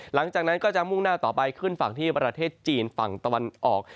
หลังจากนั้นก็จะมุ่งหน้าต่อไปขึ้นฝั่งที่ประเทศจีนฝั่งตะวันออก